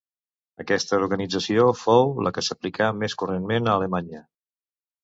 Aquesta organització fou la que s'aplicà més correntment a Alemanya.